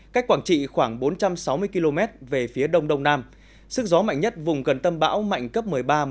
cách quảng trị khoảng bốn trăm sáu mươi km về phía đông đông nam sức gió mạnh nhất vùng gần tâm bão mạnh cấp một mươi ba một mươi hai